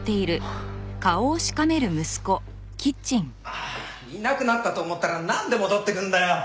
ああいなくなったと思ったらなんで戻ってくんだよ！